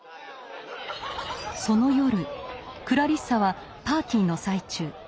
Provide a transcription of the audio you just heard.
その夜クラリッサはパーティーの最中